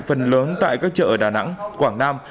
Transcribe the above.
phần lớn tại các chợ ở đà nẵng quảng nam